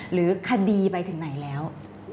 หรือคดีไปถึงไหนแล้ว